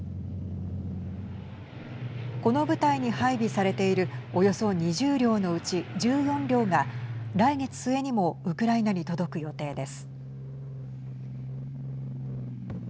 この部隊に配備されているおよそ２０両のうち１４両が来月末にもウクライナに届く予定です。